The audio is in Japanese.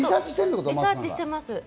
リサーチしてます。